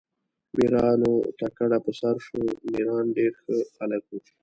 میرانو ته کډه په سر شو، میران ډېر ښه خلک وو.